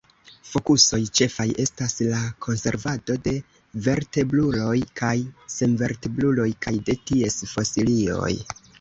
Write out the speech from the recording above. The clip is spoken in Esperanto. Fokusoj ĉefaj estas la konservado de vertebruloj kaj senvertebruloj kaj de ties fosilioj.